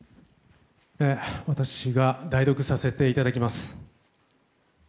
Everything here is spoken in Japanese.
私が代読させていただきます。